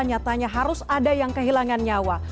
nyatanya harus ada yang kehilangan nyawa